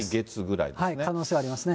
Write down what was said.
可能性ありますね。